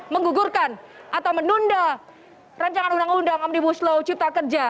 menggugurkan atau menunda rancangan undang undang omnibus law cipta kerja